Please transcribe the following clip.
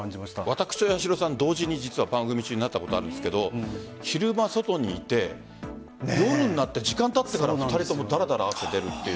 私と八代さん同時に番組中になったことあるんですが昼間、外に行って夜になって時間がたってから２人とも汗が出るという。